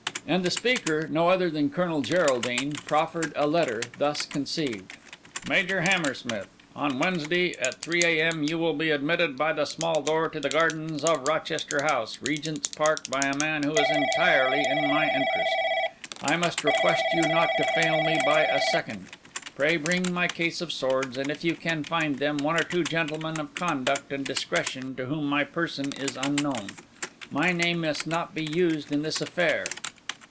And the speaker, no other than Colonel Geraldine, proffered a letter, thus conceived:— "Major Hammersmith,—On Wednesday, at 3 A.M., you will be admitted by the small door to the gardens of Rochester House, Regent's Park, by a man who is entirely in my interest. I must request you not to fail me by a second. Pray bring my case of swords, and, if you can find them, one or two gentlemen of conduct and discretion to whom my person is unknown. My name must not be used in this affair.